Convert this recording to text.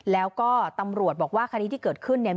แล้วก็ตำรวจบอกว่าคดีที่เกิดขึ้นเนี่ย